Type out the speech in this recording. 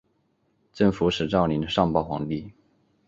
镇抚使赵霖上报皇帝。